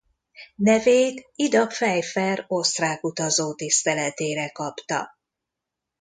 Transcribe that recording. Nevét Ida Pfeiffer osztrák utazó tiszteletére kapta.